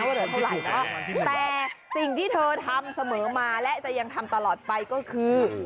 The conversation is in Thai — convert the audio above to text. แต่สิ่งที่เธอทำเสมอมาและจะยังทำตลอดไปก็คือ